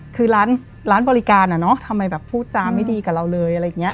คือร้านบริการอะเนาะทำไมแบบพูดจาไม่ดีกับเราเลยอะไรอย่างนี้